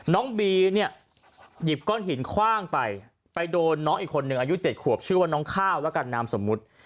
น้องบีเนี่ยหยิบก้อนหินคว่างไปไปโดนน้องอีกคนนึงอายุ๗ขวบชื่อว่าน้องข้าวแล้วกันนามสมมุติ